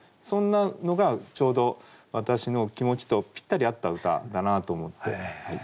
そんなのがちょうど私の気持ちとぴったり合った歌だなと思って。